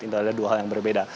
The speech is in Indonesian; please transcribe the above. itu adalah dua hal yang berbeda